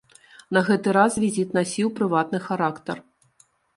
На гэты раз візіт насіў прыватны характар.